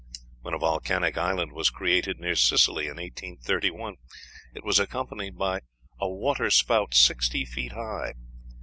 When a volcanic island was created near Sicily in 1831, it was accompanied by "a waterspout sixty feet high."